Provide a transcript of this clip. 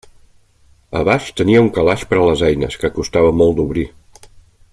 A baix tenia un calaix per a les eines, que costava molt d'obrir.